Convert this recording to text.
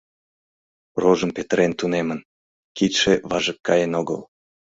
Рожым петырен тунемын, кидше важык каен огыл.